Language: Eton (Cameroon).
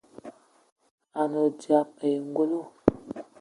A ne odzap ayi ongolo.